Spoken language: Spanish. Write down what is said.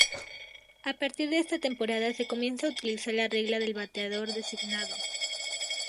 A partir de esta temporada se comienza a utilizar la regla del bateador designado.